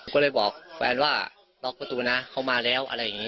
ก็เลยบอกแฟนว่าล็อกประตูนะเขามาแล้วอะไรอย่างนี้